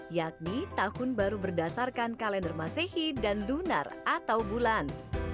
yakni tahun baru berdasarkan kalender masehi dan dunar atau bulan